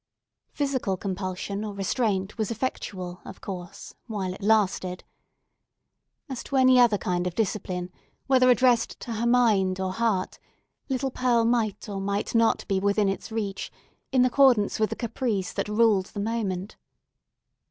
Physical compulsion or restraint was effectual, of course, while it lasted. As to any other kind of discipline, whether addressed to her mind or heart, little Pearl might or might not be within its reach, in accordance with the caprice that ruled the moment.